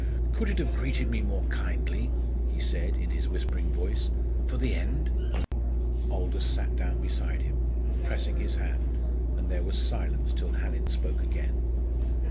"Could it have greeted me more kindly," he said, in his whispering voice, "for the end?" Aldous sat down beside him, pressing his hand, and there was silence till Hallin spoke again.